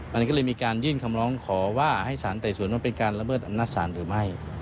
อันนี้ก็เลยมีการยื่นคำร้องขอว่าให้สารไต่สวนว่าเป็นการระเบิดอำนาจศาลหรือไม่